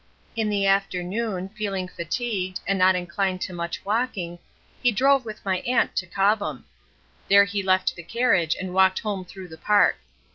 In the afternoon, feeling fatigued, and not inclined to much walking, he drove with my aunt into Cobham. There he left the carriage and walked home through the park.